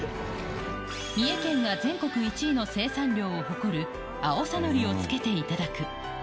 三重県が全国１位の生産量を誇る、あおさのりをつけて頂く。